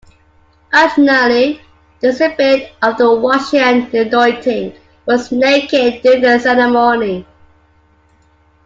Originally, the recipient of the washing and anointing was naked during the ceremony.